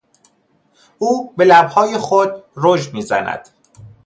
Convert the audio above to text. او به لبهای خود رژ میزند.